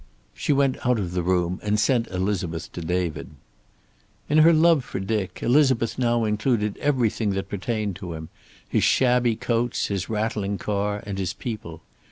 She went out of the room, and sent Elizabeth to David. In her love for Dick, Elizabeth now included everything that pertained to him, his shabby coats, his rattling car, and his people.